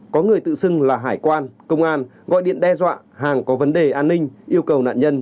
có người tự xưng là hải quan công an gọi điện đe dọa hàng có vấn đề an ninh yêu cầu nạn nhân